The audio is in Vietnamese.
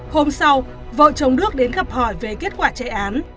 hôm sau vợ chồng đức đến gặp hỏi về kết quả chạy án